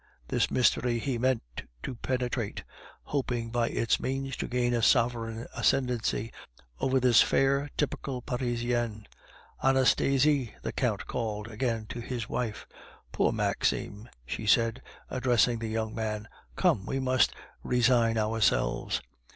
This mystery he meant to penetrate, hoping by its means to gain a sovereign ascendency over this fair typical Parisian. "Anastasie!" the Count called again to his wife. "Poor Maxime!" she said, addressing the young man. "Come, we must resign ourselves.